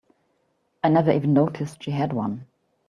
I never even noticed she had one.